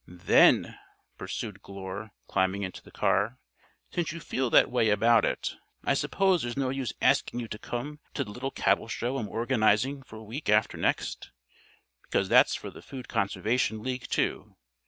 "Then," pursued Glure, climbing into the car, "since you feel that way about it, I suppose there's no use asking you to come to the little cattle show I'm organizing for week after next, because that's for the Food Conservation League too.